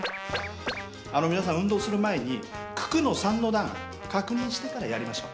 皆さん運動する前に九九の３の段確認してからやりましょう。